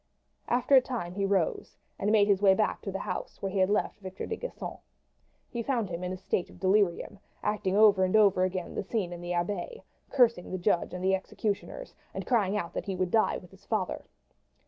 After a time he rose and made his way back to the house where he had left Victor de Gisons. He found him in a state of delirium, acting over and over again the scene in the Abbaye, cursing the judge and executioners, and crying out he would die with his father.